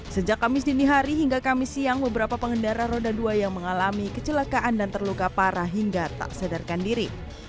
sejak kamis dini hari hingga kamis siang beberapa pengendara roda dua yang mengalami kecelakaan dan terluka parah hingga tak sadarkan diri